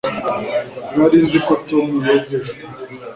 sinari nzi ko tom yoga ejo